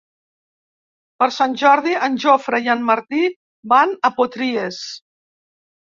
Per Sant Jordi en Jofre i en Martí van a Potries.